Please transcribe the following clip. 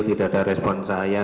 tidak ada respon saya